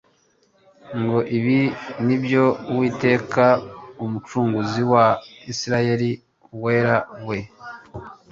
ngo : «Ibi nibyo Uwiteka Umucunguzi wa Isiraeli Uwera we,